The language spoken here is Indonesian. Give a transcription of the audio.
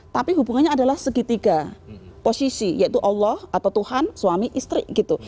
tapi hubungannya adalah segitiga posisi yaitu allah atau tuhan suami istri gitu